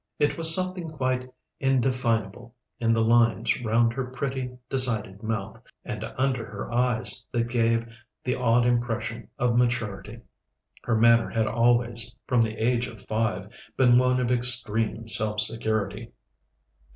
It was something quite indefinable in the lines round her pretty, decided mouth, and under her eyes that gave the odd impression of maturity. Her manner had always, from the age of five, been one of extreme self security.